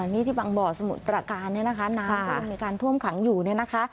นี่ที่บางบ่อสมุดประการน้ำท่วมในการท่วมขังอยู่นะคะ